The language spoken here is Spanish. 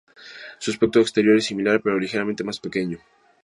Su aspecto exterior es similar pero ligeramente más pequeño.